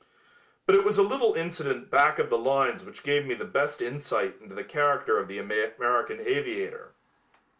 But it was a little incident back of the lines which gave me the best insight into the character of the American aviator.